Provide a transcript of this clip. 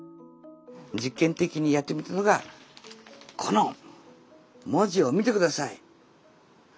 実験的にやってみたのがこの文字を見て下さい！